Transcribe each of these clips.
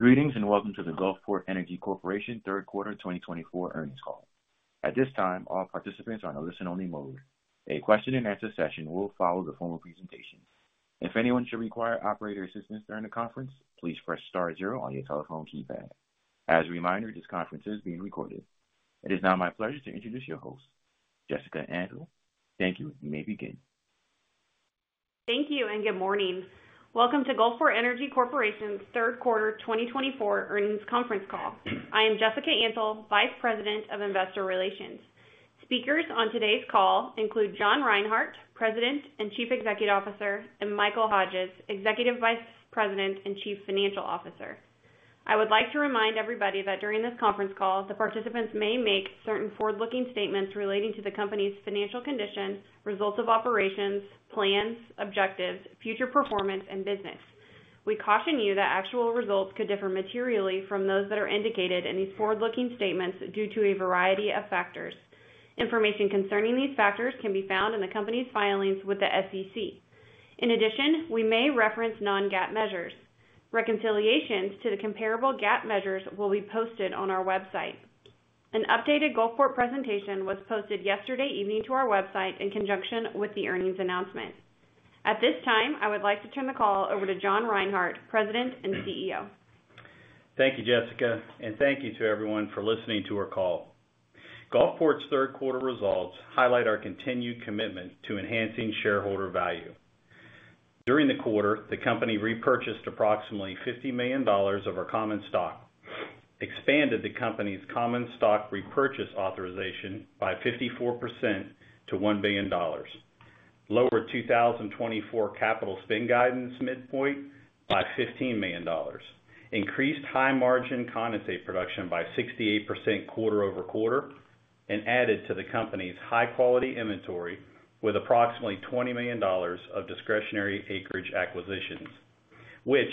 Greetings and welcome to the Gulfport Energy Corporation third quarter 2024 earnings call. At this time, all participants are in a listen-only mode. A question-and-answer session will follow the formal presentation. If anyone should require operator assistance during the conference, please press star zero on your telephone keypad. As a reminder, this conference is being recorded. It is now my pleasure to introduce your host, Jessica Antle. Thank you, and you may begin. Thank you, and good morning. Welcome to Gulfport Energy Corporation's third quarter 2024 earnings conference call. I am Jessica Antle, Vice President of Investor Relations. Speakers on today's call include John Reinhart, President and Chief Executive Officer, and Michael Hodges, Executive Vice President and Chief Financial Officer. I would like to remind everybody that during this conference call, the participants may make certain forward-looking statements relating to the company's financial condition, results of operations, plans, objectives, future performance, and business. We caution you that actual results could differ materially from those that are indicated in these forward-looking statements due to a variety of factors. Information concerning these factors can be found in the company's filings with the SEC. In addition, we may reference non-GAAP measures. Reconciliations to the comparable GAAP measures will be posted on our website. An updated Gulfport presentation was posted yesterday evening to our website in conjunction with the earnings announcement. At this time, I would like to turn the call over to John Reinhart, President and CEO. Thank you, Jessica, and thank you to everyone for listening to our call. Gulfport's third quarter results highlight our continued commitment to enhancing shareholder value. During the quarter, the company repurchased approximately $50 million of our common stock, expanded the company's common stock repurchase authorization by 54% to $1 billion, lowered 2024 capital spend guidance midpoint by $15 million, increased high-margin condensate production by 68% quarter over quarter, and added to the company's high-quality inventory with approximately $20 million of discretionary acreage acquisitions, which,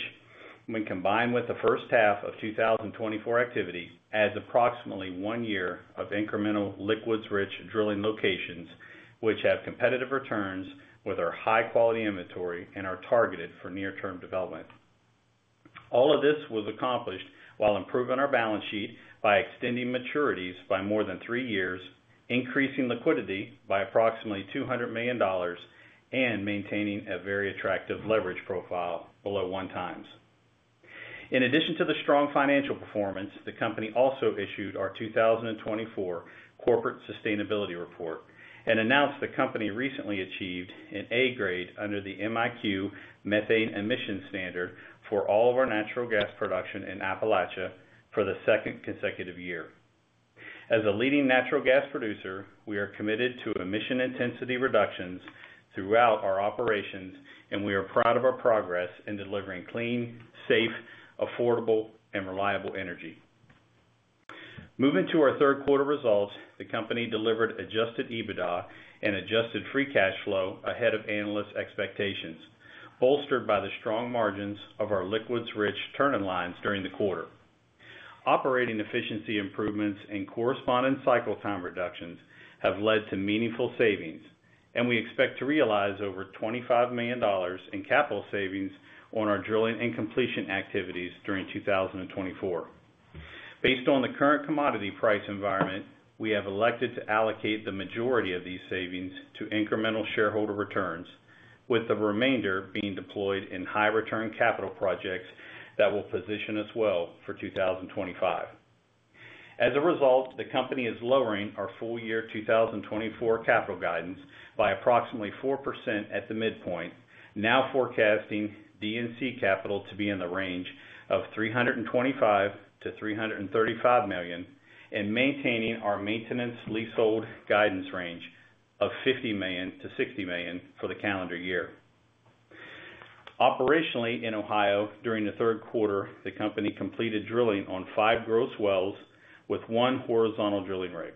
when combined with the first half of 2024 activity, adds approximately one year of incremental liquids-rich drilling locations, which have competitive returns with our high-quality inventory and are targeted for near-term development. All of this was accomplished while improving our balance sheet by extending maturities by more than three years, increasing liquidity by approximately $200 million, and maintaining a very attractive leverage profile below one times. In addition to the strong financial performance, the company also issued our 2024 corporate sustainability report and announced the company recently achieved an A grade under the MiQ methane emission standard for all of our natural gas production in Appalachia for the second consecutive year. As a leading natural gas producer, we are committed to emission intensity reductions throughout our operations, and we are proud of our progress in delivering clean, safe, affordable, and reliable energy. Moving to our third quarter results, the company delivered adjusted EBITDA and adjusted free cash flow ahead of analysts' expectations, bolstered by the strong margins of our liquids-rich turn-in-lines during the quarter. Operating efficiency improvements and corresponding cycle time reductions have led to meaningful savings, and we expect to realize over $25 million in capital savings on our drilling and completion activities during 2024. Based on the current commodity price environment, we have elected to allocate the majority of these savings to incremental shareholder returns, with the remainder being deployed in high-return capital projects that will position us well for 2025. As a result, the company is lowering our full year 2024 capital guidance by approximately 4% at the midpoint, now forecasting D&C capital to be in the range of $325-$335 million and maintaining our maintenance leasehold guidance range of $50-$60 million for the calendar year. Operationally in Ohio, during the third quarter, the company completed drilling on five gross wells with one horizontal drilling rig.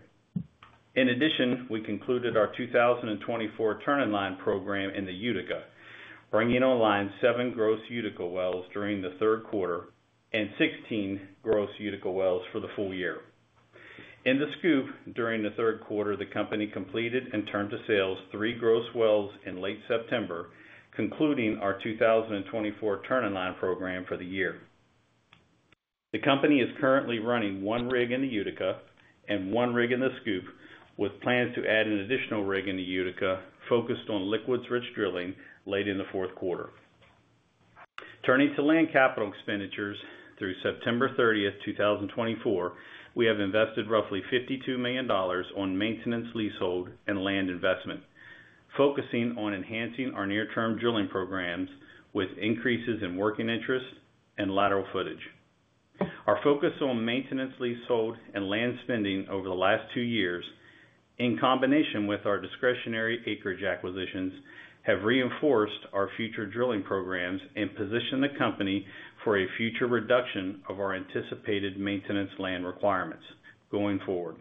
In addition, we concluded our 2024 turn-in-line program in the Utica, bringing online seven gross Utica wells during the third quarter and 16 gross Utica wells for the full year. In the SCOOP, during the third quarter, the company completed and turned to sales three gross wells in late September, concluding our 2024 turn-in-line program for the year. The company is currently running one rig in the Utica and one rig in the SCOOP, with plans to add an additional rig in the Utica focused on liquids-rich drilling late in the fourth quarter. Turning to land capital expenditures, through September 30, 2024, we have invested roughly $52 million on maintenance leasehold and land investment, focusing on enhancing our near-term drilling programs with increases in working interest and lateral footage. Our focus on maintenance leasehold and land spending over the last two years, in combination with our discretionary acreage acquisitions, have reinforced our future drilling programs and positioned the company for a future reduction of our anticipated maintenance land requirements going forward.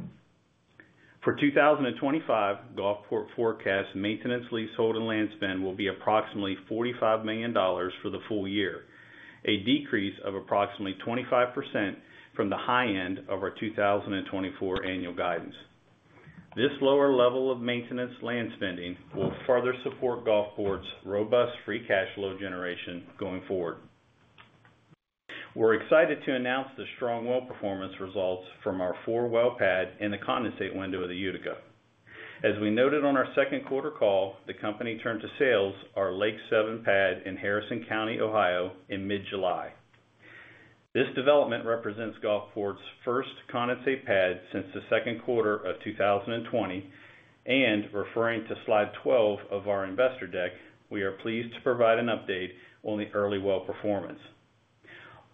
For 2025, Gulfport forecasts maintenance leasehold and land spend will be approximately $45 million for the full year, a decrease of approximately 25% from the high end of our 2024 annual guidance. This lower level of maintenance land spending will further support Gulfport's robust free cash flow generation going forward. We're excited to announce the strong well performance results from our four well pad in the condensate window of the Utica. As we noted on our second quarter call, the company turned to sales our Lake Seven pad in Harrison County, Ohio, in mid-July. This development represents Gulfport's first condensate pad since the second quarter of 2020, and referring to slide 12 of our investor deck, we are pleased to provide an update on the early well performance.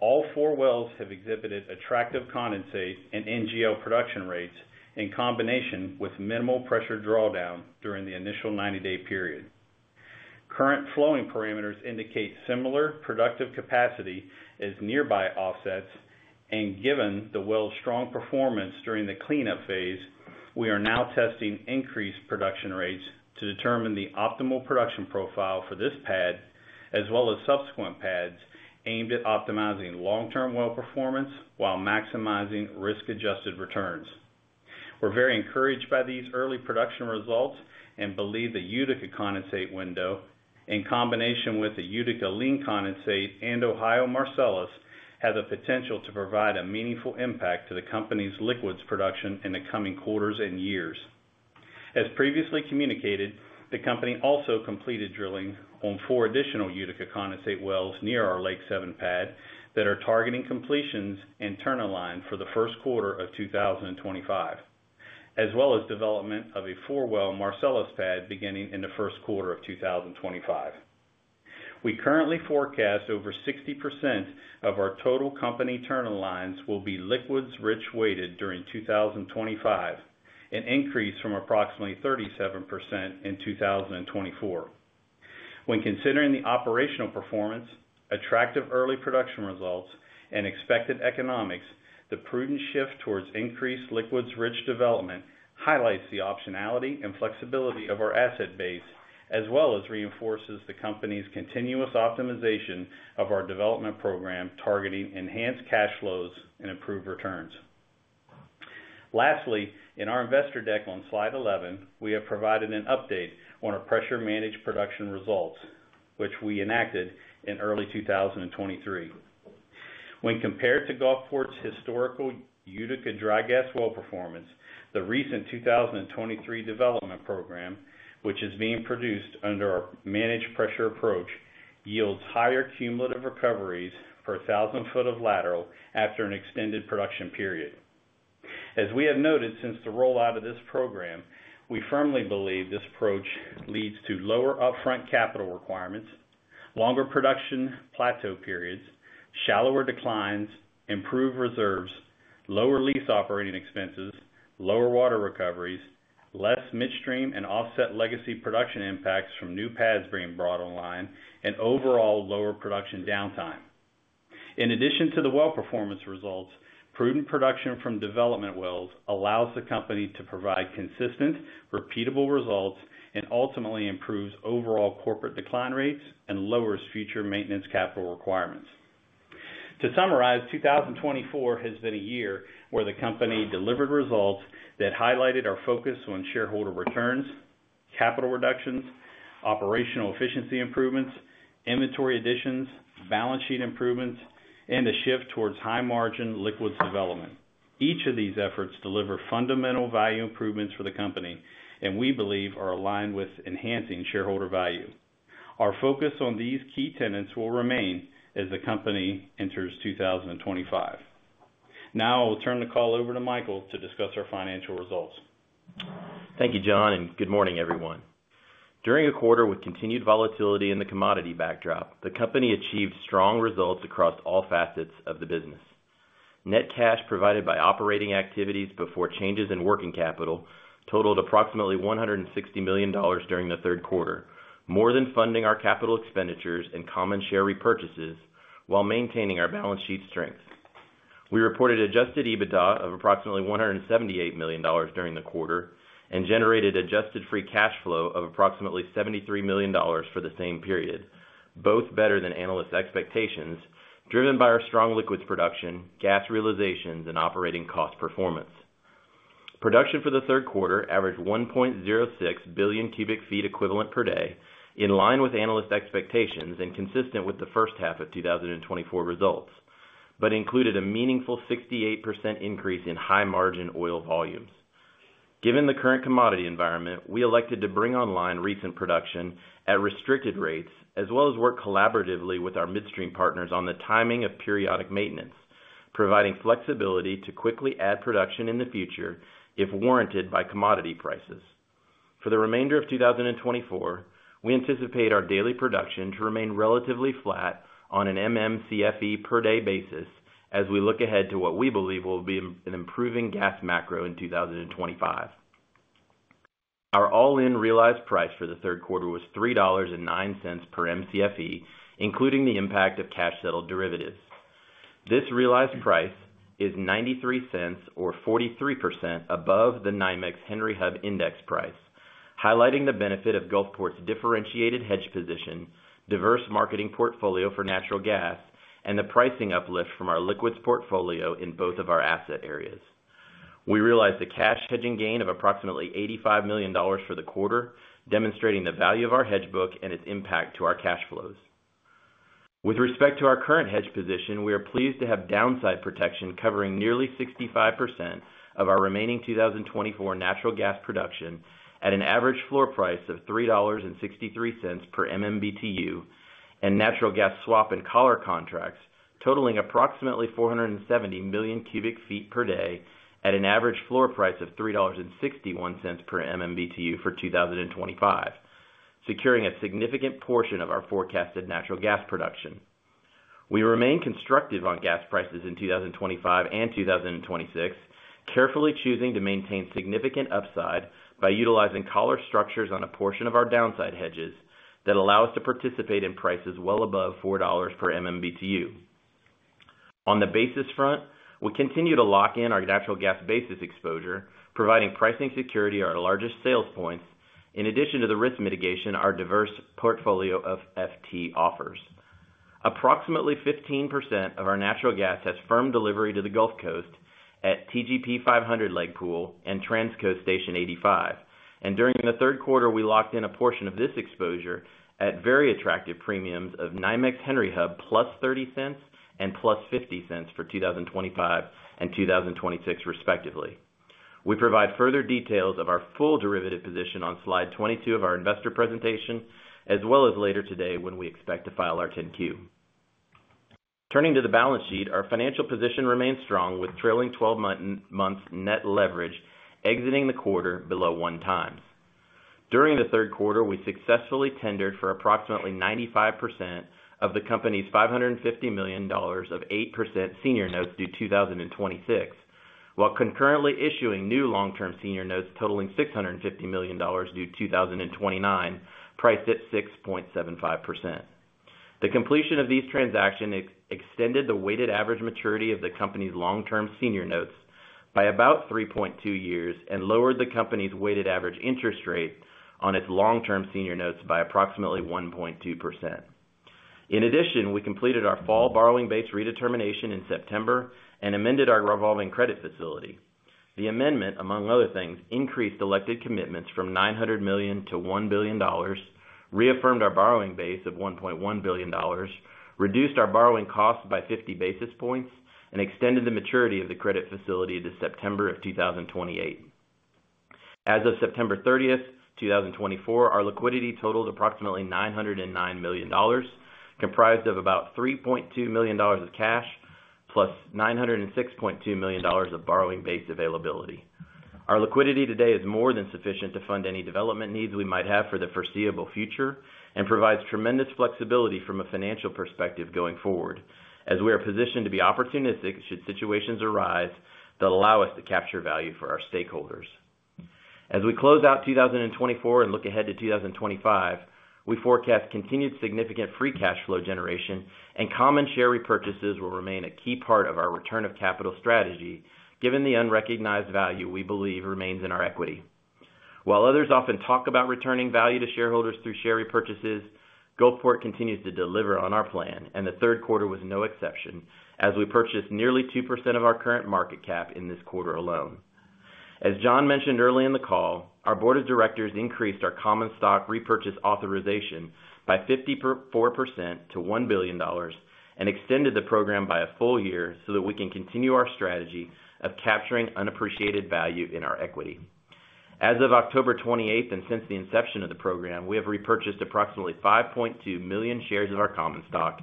All four wells have exhibited attractive condensate and NGL production rates in combination with minimal pressure drawdown during the initial 90-day period. Current flowing parameters indicate similar productive capacity as nearby offsets, and given the well's strong performance during the cleanup phase, we are now testing increased production rates to determine the optimal production profile for this pad, as well as subsequent pads aimed at optimizing long-term well performance while maximizing risk-adjusted returns. We're very encouraged by these early production results and believe the Utica condensate window, in combination with the Utica lean condensate and Ohio Marcellus, have the potential to provide a meaningful impact to the company's liquids production in the coming quarters and years. As previously communicated, the company also completed drilling on four additional Utica condensate wells near our Lake Seven pad that are targeting completions and turn-in-line for the first quarter of 2025, as well as development of a four well Marcellus pad beginning in the first quarter of 2025. We currently forecast over 60% of our total company turn-in-lines will be liquids-rich-weighted during 2025, an increase from approximately 37% in 2024. When considering the operational performance, attractive early production results, and expected economics, the prudent shift towards increased liquids-rich development highlights the optionality and flexibility of our asset base, as well as reinforces the company's continuous optimization of our development program targeting enhanced cash flows and improved returns. Lastly, in our investor deck on slide 11, we have provided an update on our pressure-managed production results, which we enacted in early 2023. When compared to Gulfport's historical Utica dry gas well performance, the recent 2023 development program, which is being produced under our managed pressure approach, yields higher cumulative recoveries per 1,000 feet of lateral after an extended production period. As we have noted since the rollout of this program, we firmly believe this approach leads to lower upfront capital requirements, longer production plateau periods, shallower declines, improved reserves, lower lease operating expenses, lower water recoveries, less midstream and offset legacy production impacts from new pads being brought online, and overall lower production downtime. In addition to the well performance results, prudent production from development wells allows the company to provide consistent, repeatable results and ultimately improves overall corporate decline rates and lowers future maintenance capital requirements. To summarize, 2024 has been a year where the company delivered results that highlighted our focus on shareholder returns, capital reductions, operational efficiency improvements, inventory additions, balance sheet improvements, and a shift towards high-margin liquids development. Each of these efforts delivered fundamental value improvements for the company, and we believe are aligned with enhancing shareholder value. Our focus on these key tenets will remain as the company enters 2025. Now I will turn the call over to Michael to discuss our financial results. Thank you, John, and good morning, everyone. During a quarter with continued volatility in the commodity backdrop, the company achieved strong results across all facets of the business. Net cash provided by operating activities before changes in working capital totaled approximately $160 million during the third quarter, more than funding our capital expenditures and common share repurchases while maintaining our balance sheet strength. We reported Adjusted EBITDA of approximately $178 million during the quarter and generated Adjusted free cash flow of approximately $73 million for the same period, both better than analysts' expectations, driven by our strong liquids production, gas realizations, and operating cost performance. Production for the third quarter averaged 1.06 billion cubic feet equivalent per day, in line with analysts' expectations and consistent with the first half of 2024 results, but included a meaningful 68% increase in high-margin oil volumes. Given the current commodity environment, we elected to bring online recent production at restricted rates, as well as work collaboratively with our midstream partners on the timing of periodic maintenance, providing flexibility to quickly add production in the future if warranted by commodity prices. For the remainder of 2024, we anticipate our daily production to remain relatively flat on an MMCFE per day basis as we look ahead to what we believe will be an improving gas macro in 2025. Our all-in realized price for the third quarter was $3.09 per MCFE, including the impact of cash settled derivatives. This realized price is $0.93 or 43% above the NYMEX Henry Hub index price, highlighting the benefit of Gulfport's differentiated hedge position, diverse marketing portfolio for natural gas, and the pricing uplift from our liquids portfolio in both of our asset areas. We realized a cash hedging gain of approximately $85 million for the quarter, demonstrating the value of our hedge book and its impact to our cash flows. With respect to our current hedge position, we are pleased to have downside protection covering nearly 65% of our remaining 2024 natural gas production at an average floor price of $3.63 per MMBTU and natural gas swap and collar contracts totaling approximately 470 million cubic feet per day at an average floor price of $3.61 per MMBTU for 2025, securing a significant portion of our forecasted natural gas production. We remain constructive on gas prices in 2025 and 2026, carefully choosing to maintain significant upside by utilizing collar structures on a portion of our downside hedges that allow us to participate in prices well above $4 per MMBTU. On the basis front, we continue to lock in our natural gas basis exposure, providing pricing security at our largest sales points, in addition to the risk mitigation our diverse portfolio of FT offers. Approximately 15% of our natural gas has firm delivery to the Gulf Coast at TGP 500 Leg Pool and Transco Station 85, and during the third quarter, we locked in a portion of this exposure at very attractive premiums of NYMEX Henry Hub plus $0.30 and plus $0.50 for 2025 and 2026, respectively. We provide further details of our full derivative position on slide 22 of our investor presentation, as well as later today when we expect to file our 10-Q. Turning to the balance sheet, our financial position remains strong with trailing 12 months net leverage exiting the quarter below one times. During the third quarter, we successfully tendered for approximately 95% of the company's $550 million of 8% senior notes due 2026, while concurrently issuing new long-term senior notes totaling $650 million due 2029, priced at 6.75%. The completion of these transactions extended the weighted average maturity of the company's long-term senior notes by about 3.2 years and lowered the company's weighted average interest rate on its long-term senior notes by approximately 1.2%. In addition, we completed our fall borrowing base redetermination in September and amended our revolving credit facility. The amendment, among other things, increased elected commitments from $900 million to $1 billion, reaffirmed our borrowing base of $1.1 billion, reduced our borrowing costs by 50 basis points, and extended the maturity of the credit facility to September of 2028. As of September 30, 2024, our liquidity totaled approximately $909 million, comprised of about $3.2 million of cash plus $906.2 million of borrowing base availability. Our liquidity today is more than sufficient to fund any development needs we might have for the foreseeable future and provides tremendous flexibility from a financial perspective going forward, as we are positioned to be opportunistic should situations arise that allow us to capture value for our stakeholders. As we close out 2024 and look ahead to 2025, we forecast continued significant free cash flow generation, and common share repurchases will remain a key part of our return of capital strategy, given the unrecognized value we believe remains in our equity. While others often talk about returning value to shareholders through share repurchases, Gulfport continues to deliver on our plan, and the third quarter was no exception, as we purchased nearly 2% of our current market cap in this quarter alone. As John mentioned early in the call, our board of directors increased our common stock repurchase authorization by 54% to $1 billion and extended the program by a full year so that we can continue our strategy of capturing unappreciated value in our equity. As of October 28 and since the inception of the program, we have repurchased approximately 5.2 million shares of our common stock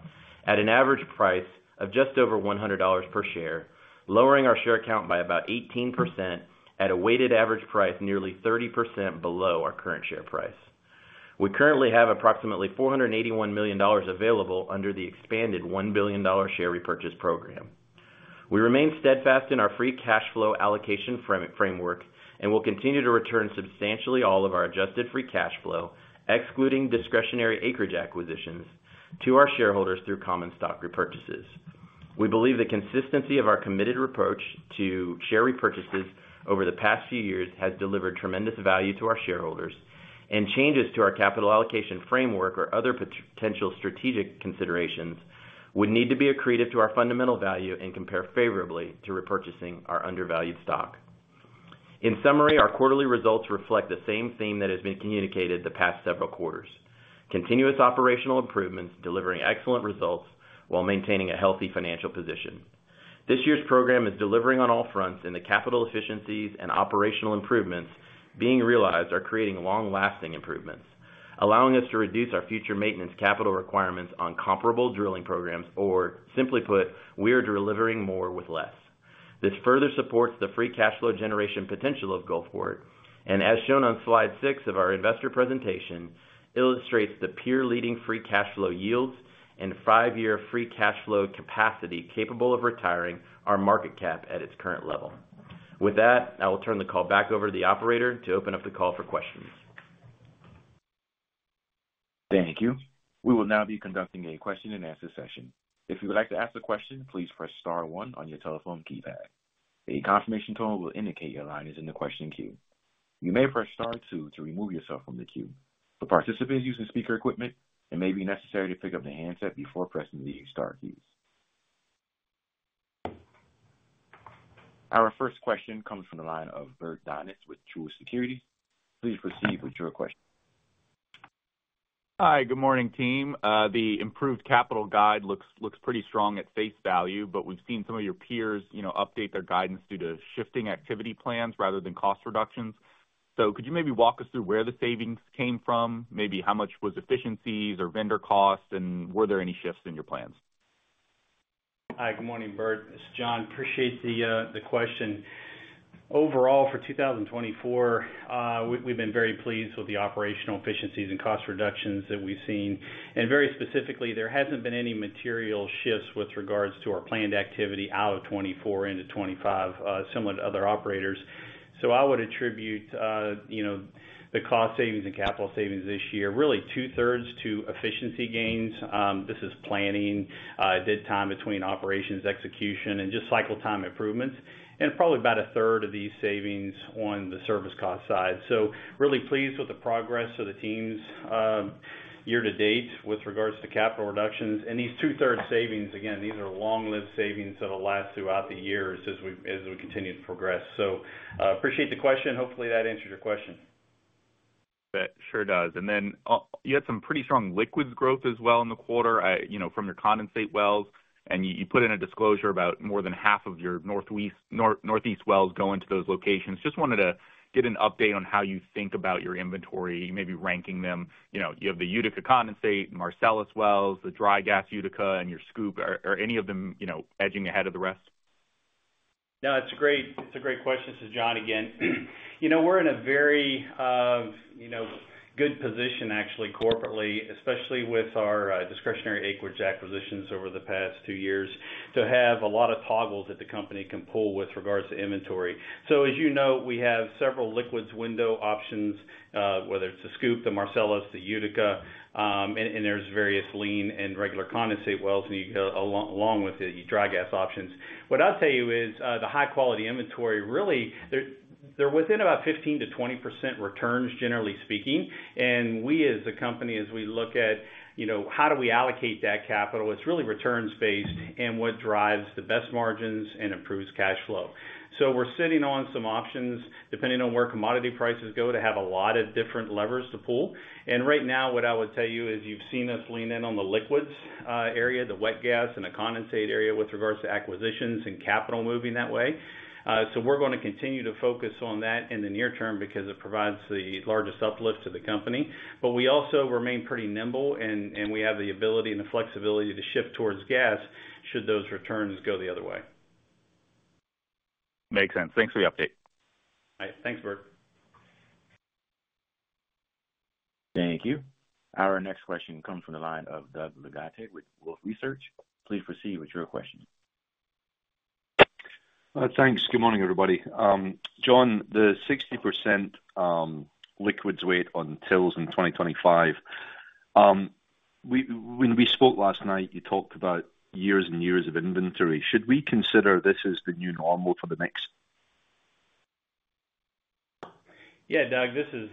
at an average price of just over $100 per share, lowering our share count by about 18% at a weighted average price nearly 30% below our current share price. We currently have approximately $481 million available under the expanded $1 billion share repurchase program. We remain steadfast in our free cash flow allocation framework and will continue to return substantially all of our adjusted free cash flow, excluding discretionary acreage acquisitions, to our shareholders through common stock repurchases. We believe the consistency of our committed approach to share repurchases over the past few years has delivered tremendous value to our shareholders, and changes to our capital allocation framework or other potential strategic considerations would need to be accreted to our fundamental value and compare favorably to repurchasing our undervalued stock. In summary, our quarterly results reflect the same theme that has been communicated the past several quarters: continuous operational improvements, delivering excellent results while maintaining a healthy financial position. This year's program is delivering on all fronts, and the capital efficiencies and operational improvements being realized are creating long-lasting improvements, allowing us to reduce our future maintenance capital requirements on comparable drilling programs, or simply put, we are delivering more with less. This further supports the free cash flow generation potential of Gulfport, and as shown on slide six of our investor presentation, illustrates the peer-leading free cash flow yields and five-year free cash flow capacity capable of retiring our market cap at its current level. With that, I will turn the call back over to the operator to open up the call for questions. Thank you. We will now be conducting a question-and-answer session. If you would like to ask a question, please press Star 1 on your telephone keypad. A confirmation tone will indicate your line is in the question queue. You may press Star 2 to remove yourself from the queue. For participants using speaker equipment, it may be necessary to pick up the handset before pressing the Star keys. Our first question comes from the line of Bert Donnes with Truist Securities. Please proceed with your question. Hi, good morning, team. The improved capital guide looks pretty strong at face value, but we've seen some of your peers update their guidance due to shifting activity plans rather than cost reductions, so could you maybe walk us through where the savings came from, maybe how much was efficiencies or vendor costs, and were there any shifts in your plans? Hi, good morning, Bert. This is John. Appreciate the question. Overall, for 2024, we've been very pleased with the operational efficiencies and cost reductions that we've seen. And very specifically, there hasn't been any material shifts with regards to our planned activity out of 2024 into 2025, similar to other operators. So I would attribute the cost savings and capital savings this year, really two-thirds to efficiency gains. This is planning, dead time between operations, execution, and just cycle time improvements, and probably about a third of these savings on the service cost side. So really pleased with the progress of the teams year to date with regards to capital reductions. And these two-thirds savings, again, these are long-lived savings that will last throughout the years as we continue to progress. So appreciate the question. Hopefully, that answered your question. That sure does, and then you had some pretty strong liquids growth as well in the quarter from your condensate wells, and you put in a disclosure about more than half of your northeast wells going to those locations. Just wanted to get an update on how you think about your inventory, maybe ranking them. You have the Utica Condensate, Marcellus wells, the Dry Gas Utica, and your SCOOP. Are any of them edging ahead of the rest? No, it's a great question. This is John again. We're in a very good position, actually, corporately, especially with our discretionary acreage acquisitions over the past two years, to have a lot of toggles that the company can pull with regards to inventory. So as you know, we have several liquids window options, whether it's the SCOOP, the Marcellus, the Utica, and there's various lean and regular condensate wells, and along with it, your dry gas options. What I'll tell you is the high-quality inventory, really, they're within about 15%-20% returns, generally speaking. And we, as a company, as we look at how do we allocate that capital, it's really returns-based and what drives the best margins and improves cash flow. So we're sitting on some options, depending on where commodity prices go, to have a lot of different levers to pull. Right now, what I would tell you is you've seen us lean in on the liquids area, the wet gas, and the condensate area with regards to acquisitions and capital moving that way. We're going to continue to focus on that in the near term because it provides the largest uplift to the company. We also remain pretty nimble, and we have the ability and the flexibility to shift towards gas should those returns go the other way. Makes sense. Thanks for the update. All right. Thanks, Bert. Thank you. Our next question comes from the line of Doug Legate with Wolfe Research. Please proceed with your question. Thanks. Good morning, everybody. John, the 60% liquids weight on tilts in 2025. When we spoke last night, you talked about years and years of inventory. Should we consider this as the new normal for the mix? Yeah, Doug, this is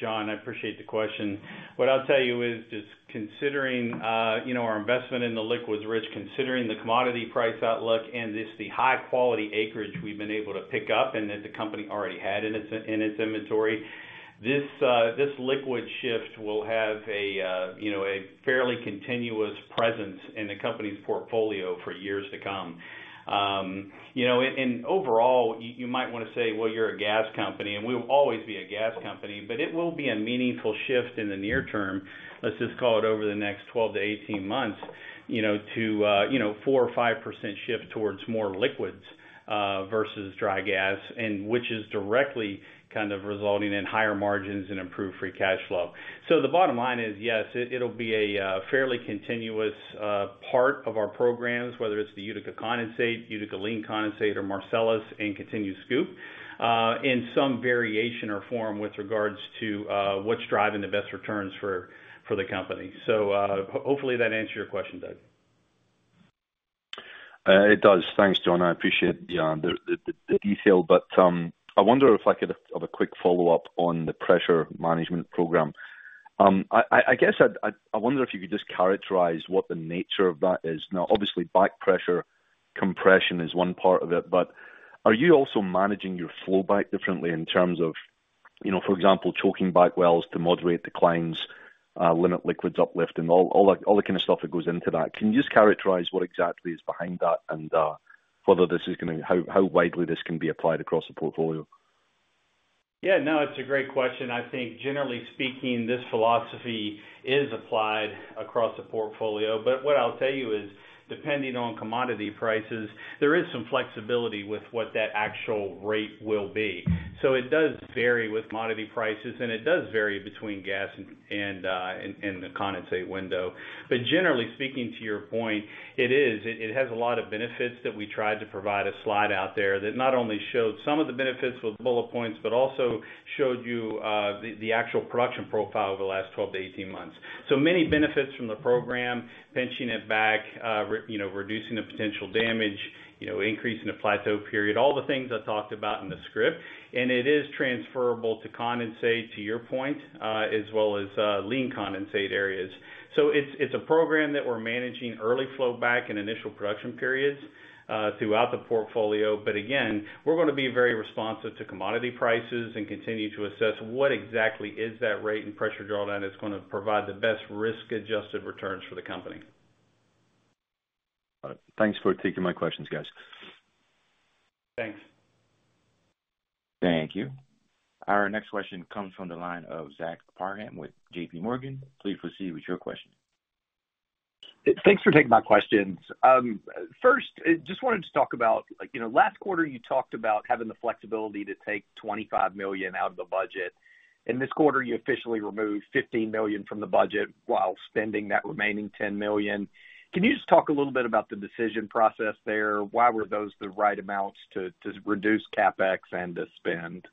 John. I appreciate the question. What I'll tell you is just considering our investment in the liquids rich, considering the commodity price outlook, and this is the high-quality acreage we've been able to pick up and that the company already had in its inventory, this liquid shift will have a fairly continuous presence in the company's portfolio for years to come, and overall, you might want to say, "Well, you're a gas company," and we will always be a gas company, but it will be a meaningful shift in the near term. Let's just call it over the next 12 to 18 months to a 4 or 5% shift towards more liquids versus dry gas, which is directly kind of resulting in higher margins and improved free cash flow. So the bottom line is, yes, it'll be a fairly continuous part of our programs, whether it's the Utica Condensate, Utica Lean Condensate, or Marcellus and continued SCOOP, in some variation or form with regards to what's driving the best returns for the company. So hopefully, that answers your question, Doug. It does. Thanks, John. I appreciate the detail, but I wonder if I could have a quick follow-up on the pressure management program. I guess I wonder if you could just characterize what the nature of that is. Now, obviously, back pressure compression is one part of it, but are you also managing your flowback differently in terms of, for example, choking back wells to moderate declines, limit liquids uplift, and all the kind of stuff that goes into that? Can you just characterize what exactly is behind that and how widely this can be applied across the portfolio? Yeah, no, it's a great question. I think, generally speaking, this philosophy is applied across the portfolio. But what I'll tell you is, depending on commodity prices, there is some flexibility with what that actual rate will be. So it does vary with commodity prices, and it does vary between gas and the condensate window. But generally speaking, to your point, it is. It has a lot of benefits that we tried to provide a slide out there that not only showed some of the benefits with bullet points, but also showed you the actual production profile over the last 12 to 18 months. So many benefits from the program, pinching it back, reducing the potential damage, increasing the plateau period, all the things I talked about in the script. And it is transferable to condensate, to your point, as well as lean condensate areas. So it's a program that we're managing early flowback and initial production periods throughout the portfolio. But again, we're going to be very responsive to commodity prices and continue to assess what exactly is that rate and pressure drawdown that's going to provide the best risk-adjusted returns for the company. Thanks for taking my questions, guys. Thanks. Thank you. Our next question comes from the line of Zach Parham with JPMorgan. Please proceed with your question. Thanks for taking my questions. First, I just wanted to talk about last quarter, you talked about having the flexibility to take $25 million out of the budget. In this quarter, you officially removed $15 million from the budget while spending that remaining $10 million. Can you just talk a little bit about the decision process there? Why were those the right amounts to reduce CapEx and to spend?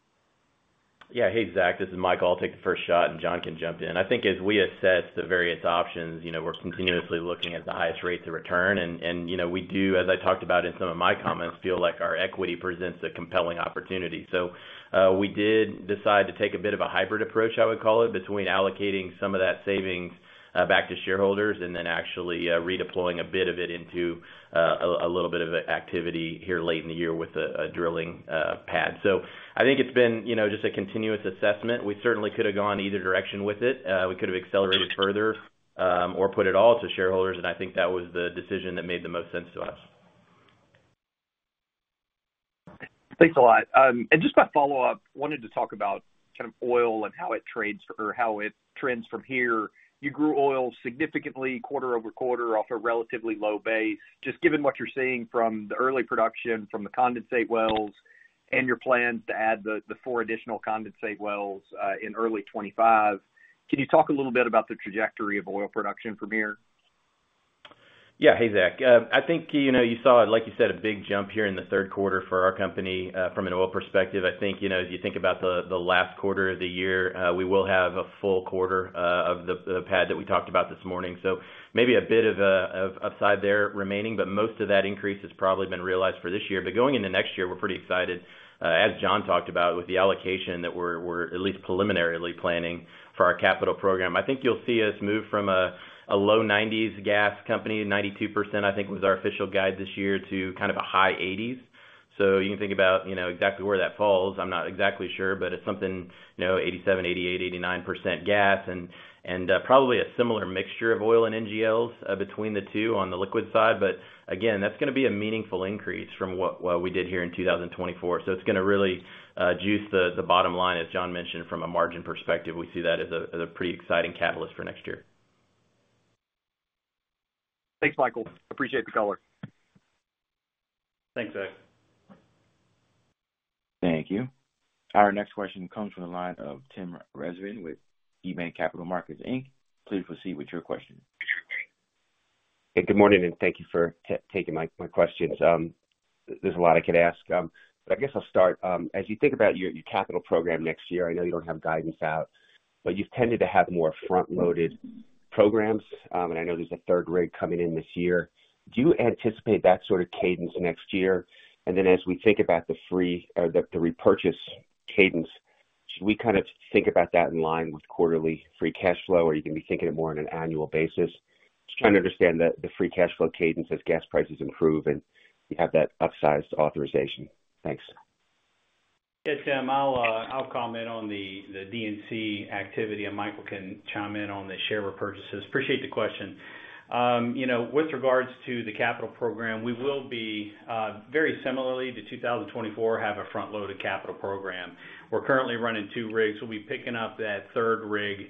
Yeah. Hey, Zach, this is Michael. I'll take the first shot, and John can jump in. I think as we assess the various options, we're continuously looking at the highest rates of return, and we do, as I talked about in some of my comments, feel like our equity presents a compelling opportunity. So we did decide to take a bit of a hybrid approach, I would call it, between allocating some of that savings back to shareholders and then actually redeploying a bit of it into a little bit of activity here late in the year with a drilling pad. So I think it's been just a continuous assessment. We certainly could have gone either direction with it. We could have accelerated further or put it all to shareholders, and I think that was the decision that made the most sense to us. Thanks a lot. And just by follow-up, wanted to talk about kind of oil and how it trades or how it trends from here. You grew oil significantly quarter over quarter off a relatively low base. Just given what you're seeing from the early production from the condensate wells and your plans to add the four additional condensate wells in early 2025, can you talk a little bit about the trajectory of oil production from here? Yeah. Hey, Zach. I think you saw, like you said, a big jump here in the third quarter for our company from an oil perspective. I think as you think about the last quarter of the year, we will have a full quarter of the pad that we talked about this morning. So maybe a bit of upside there remaining, but most of that increase has probably been realized for this year. But going into next year, we're pretty excited, as John talked about, with the allocation that we're at least preliminarily planning for our capital program. I think you'll see us move from a low 90s gas company, 92%, I think, was our official guide this year, to kind of a high 80s. So you can think about exactly where that falls. I'm not exactly sure, but it's something 87, 88, 89% gas, and probably a similar mixture of oil and NGLs between the two on the liquid side. But again, that's going to be a meaningful increase from what we did here in 2024. So it's going to really juice the bottom line, as John mentioned, from a margin perspective. We see that as a pretty exciting catalyst for next year. Thanks, Michael. Appreciate the caller. Thanks, Zack. Thank you. Our next question comes from the line of Tim Rezvan with KeyBanc Capital Markets, Inc. Please proceed with your question. Good morning, and thank you for taking my questions. There's a lot I could ask, but I guess I'll start. As you think about your capital program next year, I know you don't have guidance out, but you've tended to have more front-loaded programs, and I know there's a third rig coming in this year. Do you anticipate that sort of cadence next year? And then as we think about the repurchase cadence, should we kind of think about that in line with quarterly free cash flow, or are you going to be thinking more on an annual basis? Just trying to understand the free cash flow cadence as gas prices improve and you have that upsized authorization. Thanks. Yeah, Tim, I'll comment on the D&C activity. And Michael can chime in on the share repurchases. Appreciate the question. With regards to the capital program, we will be, very similarly to 2024, have a front-loaded capital program. We're currently running two rigs. We'll be picking up that third rig.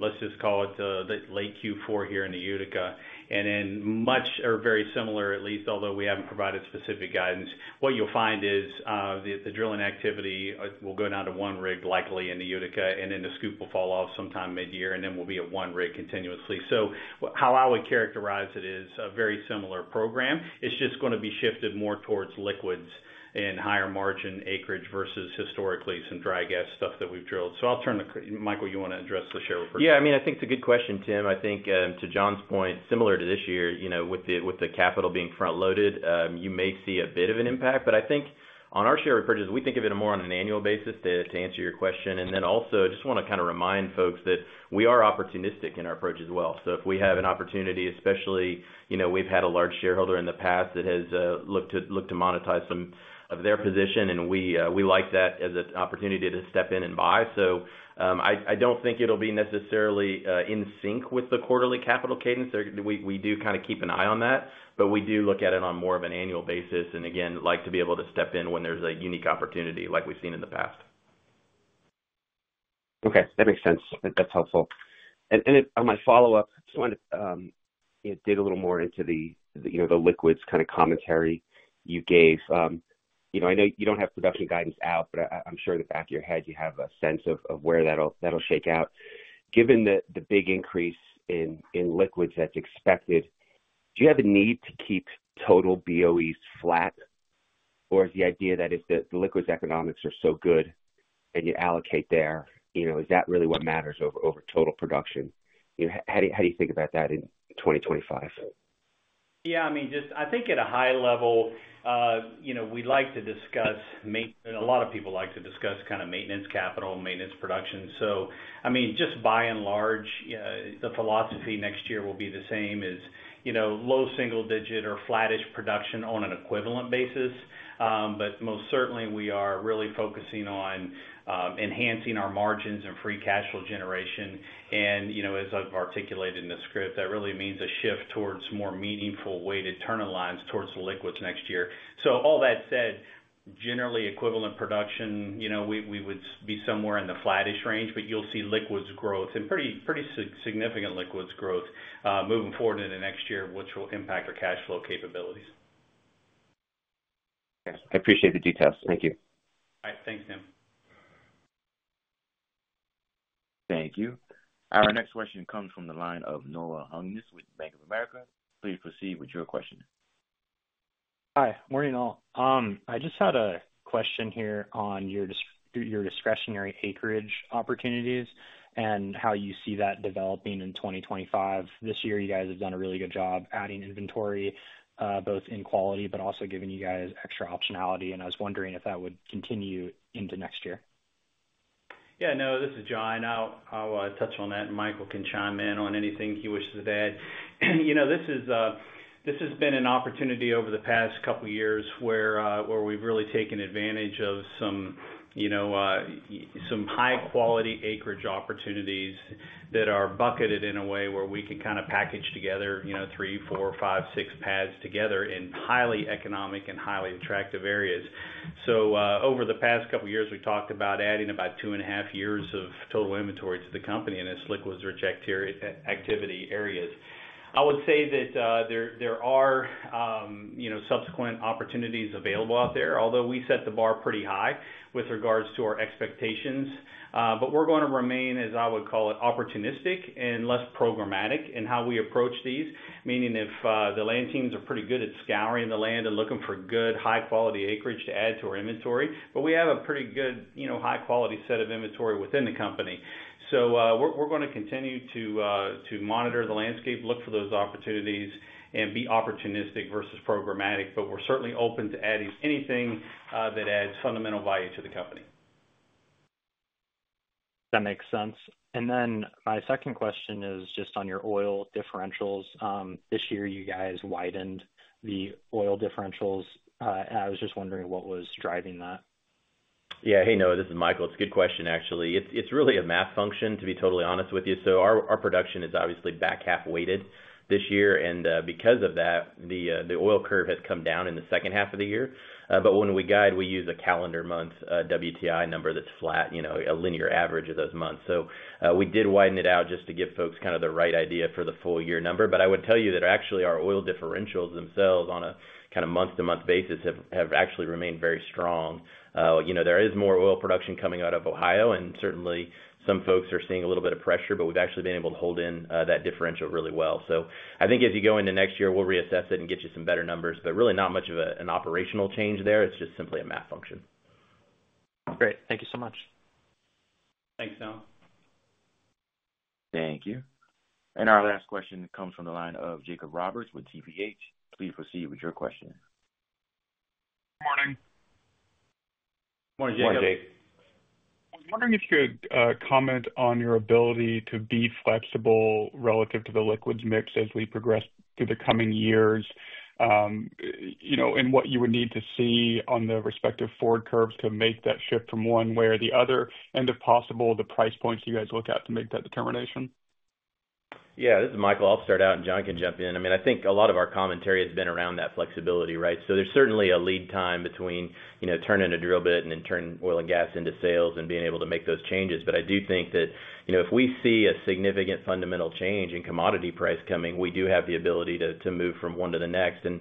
Let's just call it the late Q4 here in the Utica. And then much or very similar, at least, although we haven't provided specific guidance, what you'll find is the drilling activity will go down to one rig likely in the Utica, and then the SCOOP will fall off sometime mid-year, and then we'll be at one rig continuously. So how I would characterize it is a very similar program. It's just going to be shifted more towards liquids and higher margin acreage versus historically some dry gas stuff that we've drilled. So I'll turn to Michael. You want to address the share repurchase? Yeah. I mean, I think it's a good question, Tim. I think to John's point, similar to this year, with the capital being front-loaded, you may see a bit of an impact. But I think on our share repurchase, we think of it more on an annual basis to answer your question. And then also, I just want to kind of remind folks that we are opportunistic in our approach as well. So if we have an opportunity, especially we've had a large shareholder in the past that has looked to monetize some of their position, and we like that as an opportunity to step in and buy. So I don't think it'll be necessarily in sync with the quarterly capital cadence. We do kind of keep an eye on that, but we do look at it on more of an annual basis and, again, like to be able to step in when there's a unique opportunity like we've seen in the past. Okay. That makes sense. That's helpful. And on my follow-up, just wanted to dig a little more into the liquids kind of commentary you gave. I know you don't have production guidance out, but I'm sure in the back of your head you have a sense of where that'll shake out. Given the big increase in liquids that's expected, do you have a need to keep total BOEs flat, or is the idea that if the liquids economics are so good and you allocate there, is that really what matters over total production? How do you think about that in 2025? Yeah. I mean, just I think at a high level, we'd like to discuss a lot of people like to discuss kind of maintenance capital, maintenance production. So I mean, just by and large, the philosophy next year will be the same as low single-digit or flattish production on an equivalent basis. But most certainly, we are really focusing on enhancing our margins and free cash flow generation. And as I've articulated in the script, that really means a shift towards a more meaningful way to turn in line towards the liquids next year. So all that said, generally equivalent production, we would be somewhere in the flattish range, but you'll see liquids growth and pretty significant liquids growth moving forward into next year, which will impact our cash flow capabilities. Okay. I appreciate the details. Thank you. All right. Thanks, Tim. Thank you. Our next question comes from the line of Noah Hungness with Bank of America. Please proceed with your question. Hi. Morning, all. I just had a question here on your discretionary acreage opportunities and how you see that developing in 2025? This year, you guys have done a really good job adding inventory, both in quality, but also giving you guys extra optionality, and I was wondering if that would continue into next year. Yeah. No, this is John. I'll touch on that, and Michael can chime in on anything he wishes to add. This has been an opportunity over the past couple of years where we've really taken advantage of some high-quality acreage opportunities that are bucketed in a way where we can kind of package together three, four, five, six pads together in highly economic and highly attractive areas. So over the past couple of years, we talked about adding about two and a half years of total inventory to the company in its liquids activity areas. I would say that there are subsequent opportunities available out there, although we set the bar pretty high with regards to our expectations. But we're going to remain, as I would call it, opportunistic and less programmatic in how we approach these, meaning if the land teams are pretty good at scouring the land and looking for good, high-quality acreage to add to our inventory. But we have a pretty good, high-quality set of inventory within the company. So we're going to continue to monitor the landscape, look for those opportunities, and be opportunistic versus programmatic. But we're certainly open to adding anything that adds fundamental value to the company. That makes sense. And then my second question is just on your oil differentials. This year, you guys widened the oil differentials. I was just wondering what was driving that? Yeah. Hey, Noah, this is Michael. It's a good question, actually. It's really a math function, to be totally honest with you. So our production is obviously back half-weighted this year. And because of that, the oil curve has come down in the second half of the year. But when we guide, we use a calendar month WTI number that's flat, a linear average of those months. So we did widen it out just to give folks kind of the right idea for the full year number. But I would tell you that actually our oil differentials themselves on a kind of month-to-month basis have actually remained very strong. There is more oil production coming out of Ohio, and certainly some folks are seeing a little bit of pressure, but we've actually been able to hold in that differential really well. So I think as you go into next year, we'll reassess it and get you some better numbers, but really not much of an operational change there. It's just simply a math function. Great. Thank you so much. Thanks, Tom. Thank you. And our last question comes from the line of Jacob Roberts with TPH. Please proceed with your question. Good morning. Morning, Jacob. Morning, Jake. I was wondering if you could comment on your ability to be flexible relative to the liquids mix as we progress through the coming years and what you would need to see on the respective forward curves to make that shift from one way or the other, and if possible, the price points you guys look at to make that determination? Yeah. This is Michael. I'll start out, and John can jump in. I mean, I think a lot of our commentary has been around that flexibility, right, so there's certainly a lead time between turning a drill bit and then turning oil and gas into sales and being able to make those changes, but I do think that if we see a significant fundamental change in commodity price coming, we do have the ability to move from one to the next, and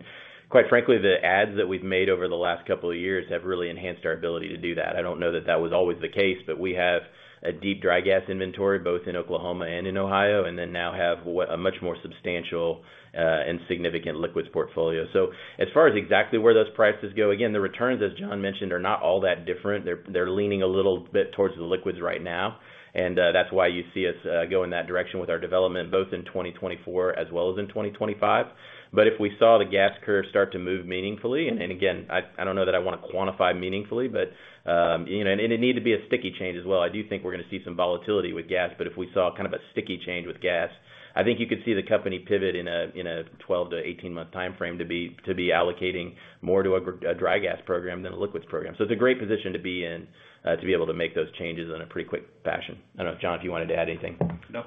quite frankly, the adds that we've made over the last couple of years have really enhanced our ability to do that. I don't know that that was always the case, but we have a deep dry gas inventory both in Oklahoma and in Ohio, and then now have a much more substantial and significant liquids portfolio. So as far as exactly where those prices go, again, the returns, as John mentioned, are not all that different. They're leaning a little bit towards the liquids right now. And that's why you see us go in that direction with our development, both in 2024 as well as in 2025. But if we saw the gas curve start to move meaningfully, and again, I don't know that I want to quantify meaningfully, but it needed to be a sticky change as well. I do think we're going to see some volatility with gas, but if we saw kind of a sticky change with gas, I think you could see the company pivot in a 12-18-month timeframe to be allocating more to a dry gas program than a liquids program. So it's a great position to be in to be able to make those changes in a pretty quick fashion. I don't know if John, if you wanted to add anything. No.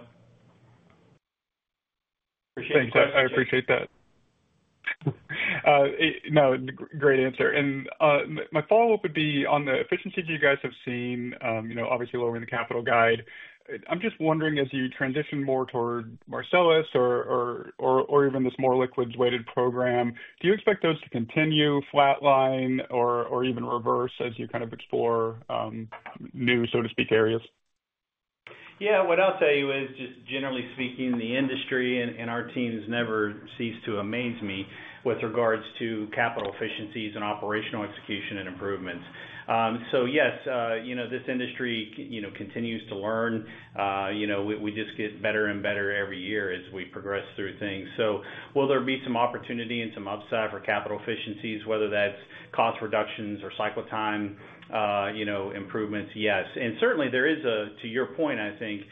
Thanks. I appreciate that. No, great answer. And my follow-up would be on the efficiency that you guys have seen, obviously lowering the capital guide. I'm just wondering, as you transition more toward Marcellus or even this more liquids-weighted program, do you expect those to continue flatline or even reverse as you kind of explore new, so to speak, areas? Yeah. What I'll tell you is, just generally speaking, the industry and our teams never cease to amaze me with regards to capital efficiencies and operational execution and improvements. So yes, this industry continues to learn. We just get better and better every year as we progress through things. So will there be some opportunity and some upside for capital efficiencies, whether that's cost reductions or cycle time improvements? Yes. And certainly, there is a, to your point, I think,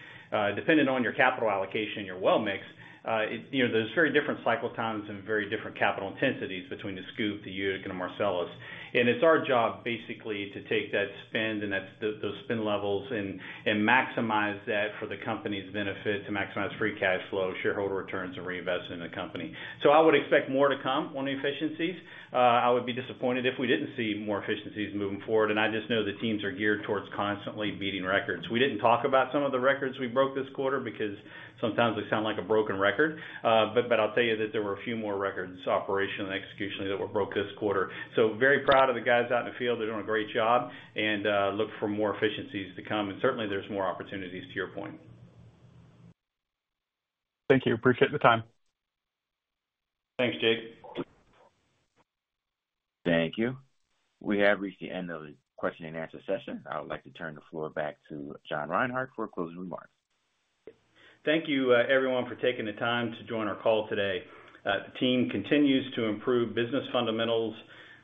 depending on your capital allocation, your well mix, there's very different cycle times and very different capital intensities between the SCOOP, the Utica, and Marcellus. And it's our job basically to take that spend and those spend levels and maximize that for the company's benefit to maximize free cash flow, shareholder returns, and reinvestment in the company. So I would expect more to come on the efficiencies. I would be disappointed if we didn't see more efficiencies moving forward. And I just know the teams are geared towards constantly beating records. We didn't talk about some of the records we broke this quarter because sometimes they sound like a broken record. But I'll tell you that there were a few more records operationally and executionally that were broke this quarter. So very proud of the guys out in the field. They're doing a great job and look for more efficiencies to come. And certainly, there's more opportunities, to your point. Thank you. Appreciate the time. Thanks, Jake. Thank you. We have reached the end of the question and answer session. I would like to turn the floor back to John Reinhart for closing remarks. Thank you, everyone, for taking the time to join our call today. The team continues to improve business fundamentals,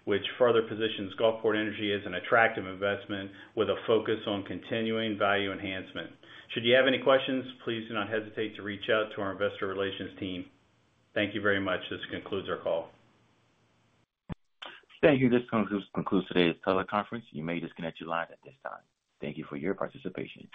which further positions Gulfport Energy as an attractive investment with a focus on continuing value enhancement. Should you have any questions, please do not hesitate to reach out to our investor relations team. Thank you very much. This concludes our call. Thank you. This concludes today's teleconference. You may disconnect your lines at this time. Thank you for your participation.